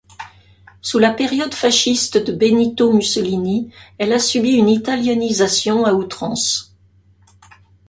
Sous la période fasciste de Benito Mussolini, elle a subi une italianisation à outrance.